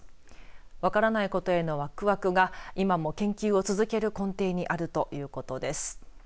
わからないことへのわくわくが今も研究を続ける根底にあるということです。